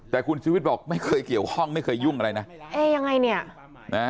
แต่คุณชูวิทย์บอกไม่เคยเกี่ยวข้องไม่เคยยุ่งอะไรนะ